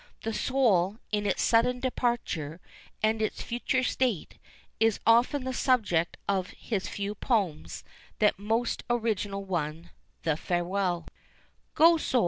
The soul, in its sudden departure, and its future state, is often the subject of his few poems; that most original one of "The Farewell," Go, soul!